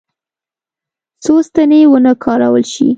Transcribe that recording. څو ستنې ونه کارول شي.